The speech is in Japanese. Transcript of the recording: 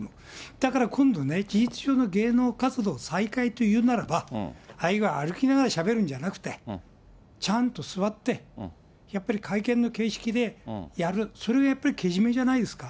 だから今度ね、事実上の芸能活動再開というならば、ああいう歩きながらしゃべるんじゃなくて、ちゃんと座って、やっぱり会見の形式でやる、それはやっぱりけじめじゃないですか。